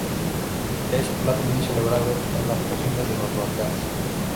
Es un plato muy celebrado en las cocinas de los Balcanes.